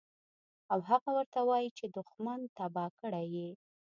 او هغه ورته وائي چې دشمن تباه کړے ئې